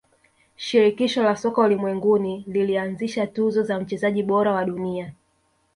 shirikisho la soka ulimwenguni lilianzisha tuzo za mchezaji bora wa dunia